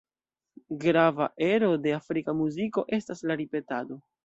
Grava ero de afrika muziko estas la ripetado.